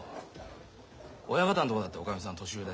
親方んとこだっておかみさん年上だし。